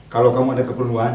kalau kamu ada keperluan